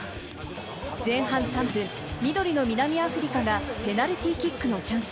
前半３分、緑の南アフリカがペナルティーキックのチャンス。